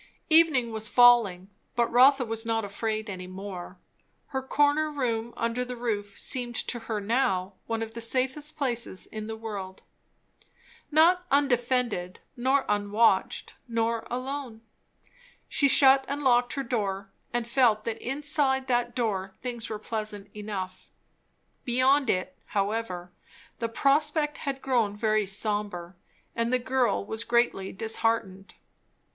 Evening was falling, but Rotha was not afraid any more. Her corner room under the roof seemed to her now one of the safest places in the world. Not undefended, nor unwatched, nor alone. She shut and locked her door, and felt that inside that door things were pleasant enough. Beyond it, however, the prospect had grown very sombre, and the girl was greatly disheartened.